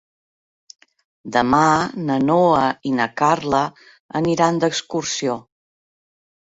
Demà na Noa i na Carla aniran d'excursió.